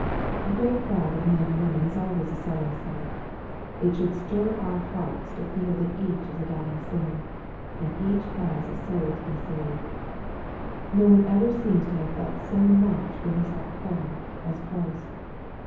'' A great crowd of men and women is always a solemn sight. It should stir our hearts to feel that each is a dying sinner, and each has a soul to be saved. None ever seems to have felt so much when he saw a crowd, as Christ.